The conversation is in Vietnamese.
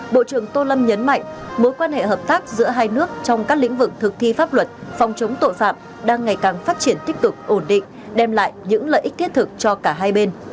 bộ trưởng tô lâm nhấn mạnh mối quan hệ hợp tác giữa hai nước trong các lĩnh vực thực thi pháp luật phòng chống tội phạm đang ngày càng phát triển tích cực ổn định đem lại những lợi ích thiết thực cho cả hai bên